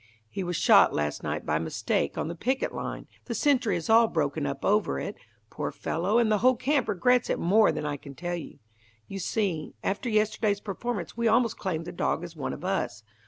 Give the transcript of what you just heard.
"He was shot last night by mistake on the picket line. The sentry is all broken up over it, poor fellow, and the whole camp regrets it more than I can tell. You see, after yesterday's performance we almost claimed the dog as one of us.